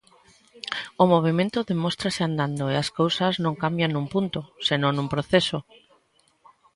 O movemento demóstrase andando e as cousas non cambian nun punto, senón nun proceso.